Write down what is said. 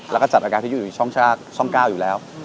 แล้วก็จัดอาการที่อยู่ในช่องชาติช่อง๙อยู่แล้ว